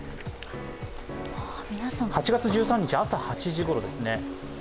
８月１３日朝８時ごろですね。